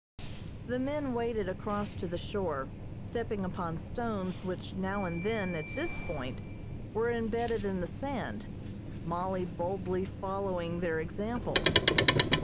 The men waded across to the shore, stepping upon stones which now and then, at this point, were embedded in the sand, Mollie boldly following their example.